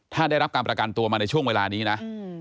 ถ้าได้รับการประกันตัวมาในช่วงเวลานี้นะ